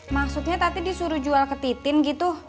maksudnya tadi disuruh jual ke titin gitu